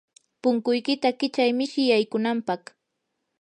punkuykita kichay mishi yaykunapaq.